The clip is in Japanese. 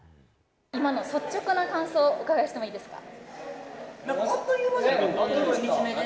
今の率直な感想をお聞きしていいですか？